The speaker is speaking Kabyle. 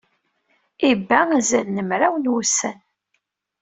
Iba azal n mraw n wussan.